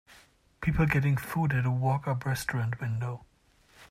People getting food at a walk up restaurant window.